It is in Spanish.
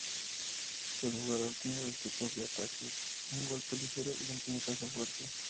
El jugador tiene dos tipos de ataques: un golpe ligero y un puñetazo fuerte.